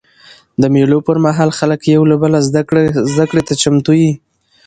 د مېلو پر مهال خلک یو له بله زدهکړې ته چمتو يي.